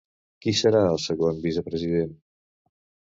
Qui serà el segon vicepresident?